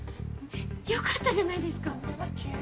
良かったじゃないですか！